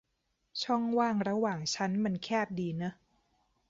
ช่องว่างระหว่างชั้นมันแคบดีเนอะ